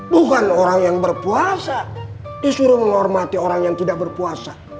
tuhan orang yang berpuasa disuruh menghormati orang yang tidak berpuasa